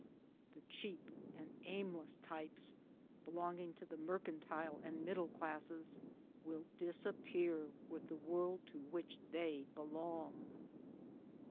The cheap and aimless types belonging to the mercantile and middle classes will disappear with the world to which they belong.